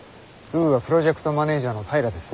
ウーア・プロジェクトマネージャーの平です。